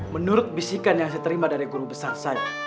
menurut bisikan yang saya terima dari guru besar saya